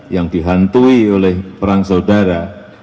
yang dihantui oleh perang saudara